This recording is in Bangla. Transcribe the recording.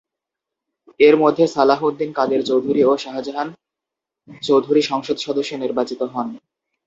এর মধ্যে সালাহ উদ্দিন কাদের চৌধুরী ও শাহজাহান চৌধুরী সংসদ সদস্য নির্বাচিত হন।